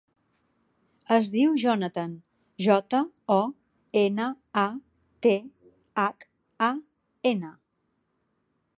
Es diu Jonathan: jota, o, ena, a, te, hac, a, ena.